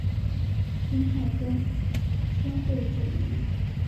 金太宗天会九年。